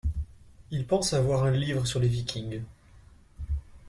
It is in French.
Il pense avoir un livre sur les Vikings.